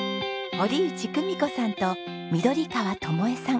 堀内久美子さんと緑川友絵さん。